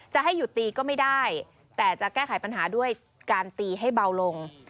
จะให้หยุดตีก็ไม่ได้แต่จะแก้ไขปัญหาด้วยการตีให้เบาลง